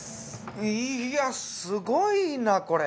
いやすごいなこれ。